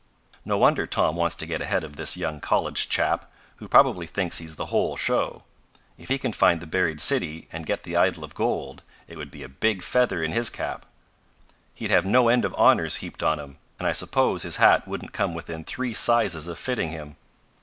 "No wonder Tom wants to get ahead of this young college chap, who probably thinks he's the whole show. If he can find the buried city, and get the idol of gold, it would be a big feather in his cap. "He'd have no end of honors heaped on him, and I suppose his hat wouldn't come within three sizes of fitting him.